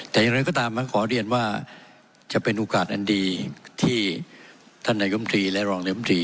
แต่อย่างไรก็ตามนั้นขอเรียนว่าจะเป็นโอกาสอันดีที่ท่านนายมตรีและรองนายมตรี